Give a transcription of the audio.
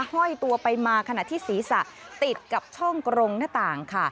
ห้อยตัวไปมาขณะที่ศีรษะติดกับช่องกรงหน้าต่างค่ะ